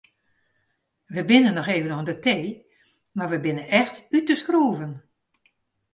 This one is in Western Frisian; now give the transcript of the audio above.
We binne noch even oan de tee mar we binne echt út de skroeven.